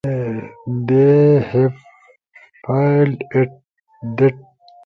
They have failed at that.